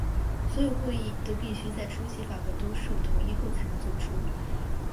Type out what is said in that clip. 所有决议都必须在出席法官多数同意后才能做出。